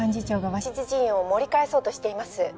鷲津陣営を盛り返そうとしています